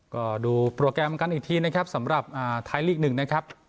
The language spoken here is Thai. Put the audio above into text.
ก็ดูโปรแกรมกันอีกทีนะครับสำหรับไทยลีก๑นะครับ